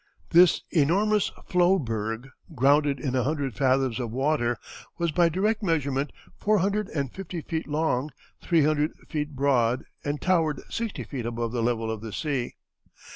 This enormous floe berg, grounded in a hundred fathoms of water, was by direct measurement four hundred and fifty feet long, three hundred feet broad, and towered sixty feet above the level of the sea.